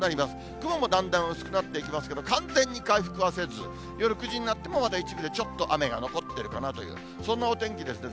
雲もだんだん薄くなっていきますけど、完全に回復はせず、夜９時になっても、まだ一部でちょっと雨が残っているかなという、そんなお天気ですね。